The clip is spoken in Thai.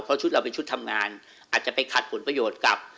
เพราะชุดเราเป็นชุดทำงานอาจจะไปขัดผลประโยชน์กับ